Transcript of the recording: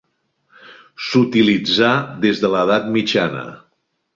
S'utilitzà des de l'edat mitjana.